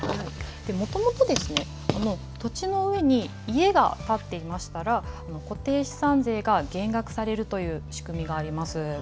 もともとですね、土地の上に家が建っていましたら、固定資産税が減額されるという仕組みがあります。